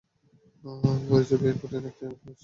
ভুঁড়ি চর্বিহীন প্রোটিনের একটি চমৎকার উৎস।